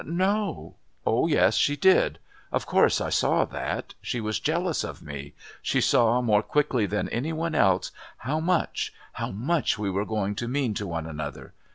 "No." "Oh, yes, she did. Of course I saw that. She was jealous of me. She saw, more quickly than any one else, how much how much we were going to mean to one another.